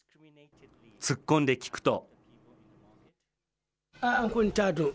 突っ込んで聞くと。